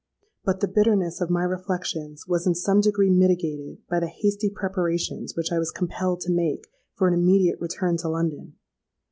But the bitterness of my reflections was in some degree mitigated by the hasty preparations which I was compelled to make for an immediate return to London.